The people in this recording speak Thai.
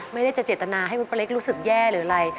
ไม่ได้จะเจตนาให้คุณป้าเล็กรู้สึกแย่หรืออะไร